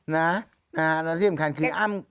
แล้วที่สำคัญคืออ้ำ